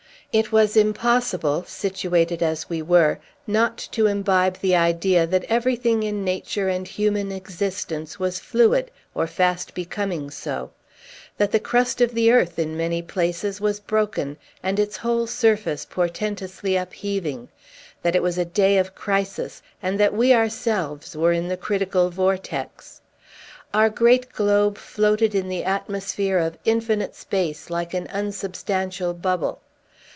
It was impossible, situated as we were, not to imbibe the idea that everything in nature and human existence was fluid, or fast becoming so; that the crust of the earth in many places was broken, and its whole surface portentously upheaving; that it was a day of crisis, and that we ourselves were in the critical vortex. Our great globe floated in the atmosphere of infinite space like an unsubstantial bubble.